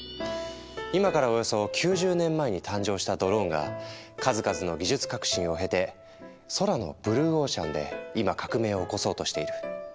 今からおよそ９０年前に誕生したドローンが数々の技術革新を経て空のブルーオーシャンで今革命を起こそうとしている。